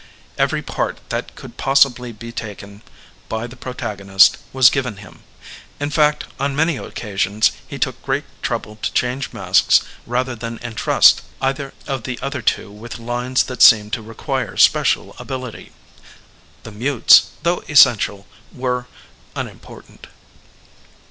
Every part that could possibly be taken by the protagonist was given him; in fact, on many occasions he took great trouble to change masks rather than entrust either of the other two with lines that seemed to require special ability. The mutes, though essential, were nnimporatnt.